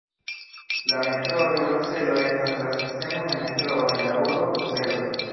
La Metroo de Bruselo estas la sistemo de metroo en la urbo Bruselo.